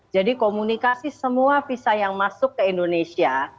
jadi komunikasi semua visa yang masuk ke indonesia